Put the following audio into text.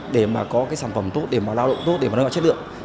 để mà có cái sản phẩm tốt để mà lao động tốt để mà nâng cao chất lượng